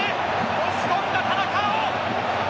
押し込んだ田中碧。